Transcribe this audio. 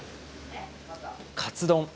カツ丼。